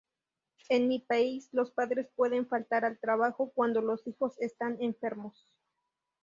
En mi país, los padres pueden faltar al trabajo cuando los hijos están enfermos.